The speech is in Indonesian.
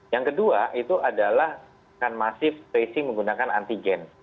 yang kedua itu adalah akan masih menggunakan antigen